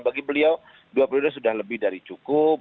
bagi beliau dua periode sudah lebih dari cukup